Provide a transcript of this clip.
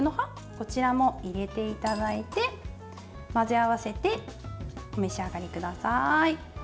こちらも入れていただいて混ぜ合わせてお召し上がりください。